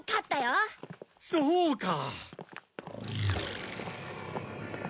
そうか！